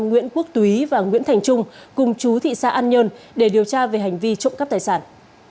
nguyễn quốc túy và nguyễn thành trung cùng chú thị xã an nhơn để điều tra về hành vi trộm cắp tài sản